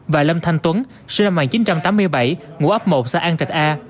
và lâm thanh tuấn sơ mạng chín trăm tám mươi bảy ngụ ấp một xã an trạch a